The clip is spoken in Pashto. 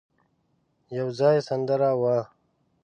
يو ځای سندره وه.